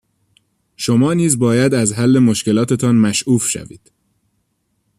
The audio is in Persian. شما نیز باید از حل مشکلاتتان مشعوف شوید.